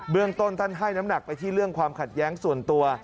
เรื่องต้นท่านให้น้ำหนักไปที่เรื่องความขัดแย้งส่วนตัว